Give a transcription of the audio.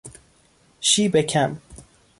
شیب کم